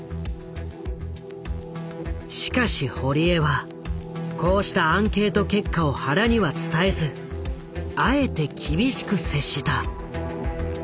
しかし堀江はこうしたアンケート結果を原には伝えずあえて厳しく接した。